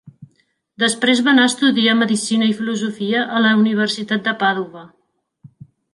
Després va anar a estudiar medicina i filosofia a la Universitat de Pàdova.